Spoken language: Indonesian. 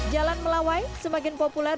jalan melawai semakin populer